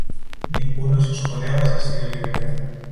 Ninguno de sus colegas ha sido liberado.